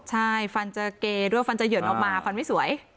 ใช่ฟันจะเกด้วยฟันจะเหยินออกมาฟันไม่สวย